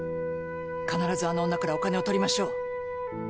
必ずあの女からお金を取りましょう。